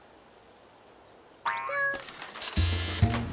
ぴょん！